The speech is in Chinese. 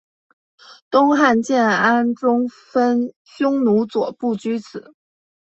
东汉建安中分匈奴左部居此。